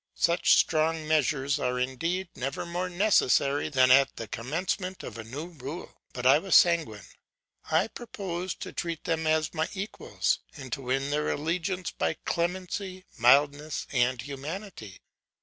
Such strong measures are indeed never more necessary than at the commencement of a new rule: but I was sanguine; I proposed to treat them as my equals, and to win their allegiance by clemency, mildness, and humanity.